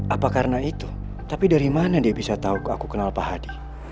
apa karena itu tapi dari mana dia bisa tahu aku kenal pak hadi